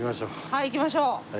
はい行きましょう。